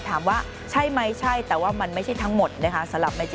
ถามว่าใช่ไหมใช่แต่ว่ามันไม่ใช่ทั้งหมดนะคะสำหรับแม่เจ